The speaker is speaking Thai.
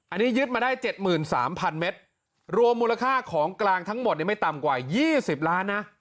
อันนี้ยึดมาได้เจ็ดหมื่นสามพันเมตรรวมมูลค่าของกลางทั้งหมดยังไม่ต่ำกว่ายี่สิบล้านน่ะ